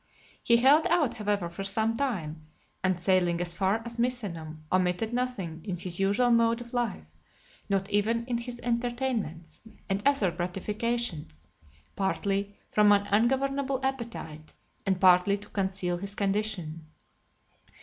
He held out, however, for some time; and sailing as far as Misenum , omitted nothing (237) in his usual mode of life, not even in his entertainments, and other gratifications, partly from an ungovernable appetite, and partly to conceal his condition.